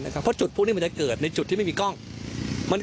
นะครับเพราะจุดพวกนี้ก็จะเกิดในจุดที่ไม่มีกล้องมัน